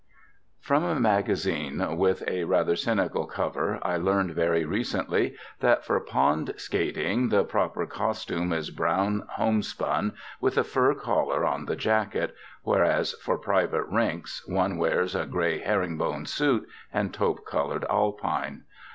From a magazine with a rather cynical cover I learned very recently that for pond skating the proper costume is brown homespun with a fur collar on the jacket, whereas for private rinks one wears a gray herringbone suit and taupe colored alpine.